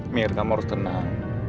mir kamu harus tenang